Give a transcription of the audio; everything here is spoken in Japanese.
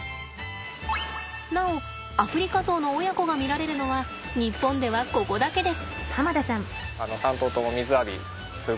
なおアフリカゾウの親子が見られるのは日本ではここだけです。